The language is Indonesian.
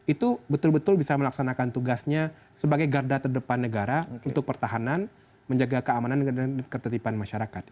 itu betul betul bisa melaksanakan tugasnya sebagai garda terdepan negara untuk pertahanan menjaga keamanan dan ketertiban masyarakat